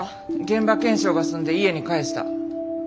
現場検証が済んで家に帰した。